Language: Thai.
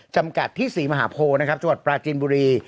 จำกัดที่ศรีมหาโพนะครับจังหวัดปราจินบุรี